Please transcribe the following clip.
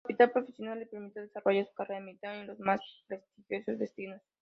Su capacidad profesional le permitió desarrollar su carrera militar en los más prestigiosos destinos.